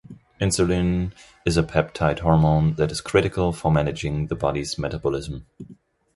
Insulin is a peptide hormone that is critical for managing the body's metabolism.